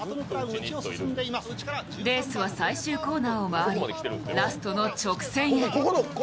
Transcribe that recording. レースは最終コーナーを回りラストの直線へ。